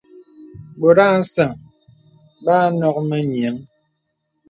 Bɔ̀t a nsə̀ŋ bə a nok mə nyìəŋ.